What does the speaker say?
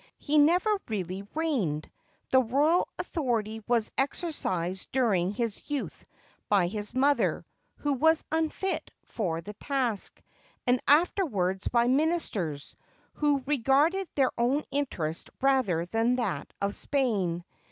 He never really reigned. The royal authority was exercised during his youth by his mother, who was unfit for the task, and afterwards by ministers, who regarded their own interest rather than that of Spain.